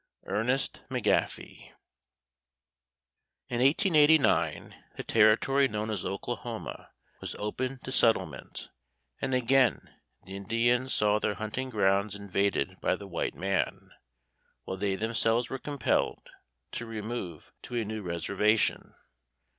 ERNEST MCGAFFEY. In 1889 the territory known as Oklahoma was opened to settlement, and again the Indians saw their hunting grounds invaded by the white man, while they themselves were compelled to remove to a new reservation.